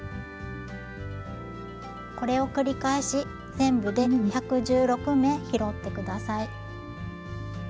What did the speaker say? これを繰り返し全部で１１６目拾って下さい。